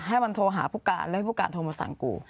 ให้มันโทรหาผู้การแล้วให้ผู้การโทรมาสั่งกู